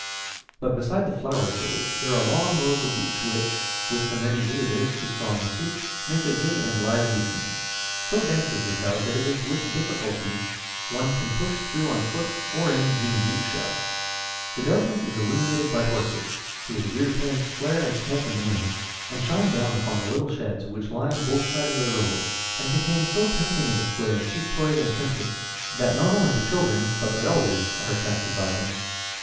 But beside the flower shows, there are long rows of booths, which, with the many visitors who throng the streets, make a gay and lively scene. So dense is the crowd that it is with difficulty one can push through on foot or in jinrikisha. The darkness is illuminated by torches, whose weird flames flare and smoke in the wind, and shine down upon the little sheds which line both sides of the road, and contain so tempting a display of cheap toys and trinkets that not only the children, but their elders, are attracted by them.